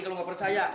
kalau nggak percaya